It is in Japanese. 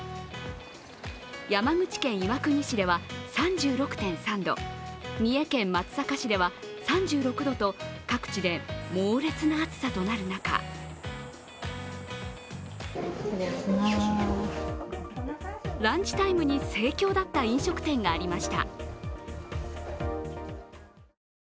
山口県岩国市では３６．３度、三重県松阪市では３６度と各地で猛烈な暑さとなる中ランチタイムに盛況だった飲食店がありました。